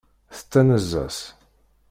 Tettanez-as.